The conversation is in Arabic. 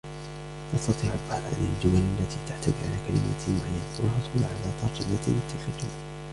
تستطيع البحث عن الجمل التي تحتوي على كلمة معينة والحصول على ترجمات لتلك الجمل.